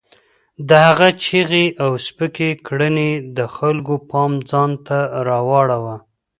د هغه چیغې او سپکې کړنې د خلکو پام ځان ته رااړاوه.